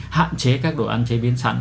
hạn chế các đồ ăn chế biến sẵn